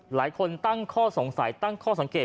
หลายคนตั้งข้อสงสัยตั้งข้อสังเกต